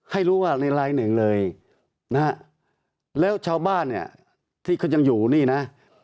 ให้รู้ว่าในลายหนึ่งเลยนะฮะแล้วชาวบ้านเนี่ยที่เขายังอยู่นี่นะ